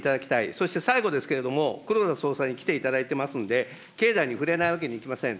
そして最後ですけれども、黒田総裁に来ていただいていますので、経済に触れないわけにいきません。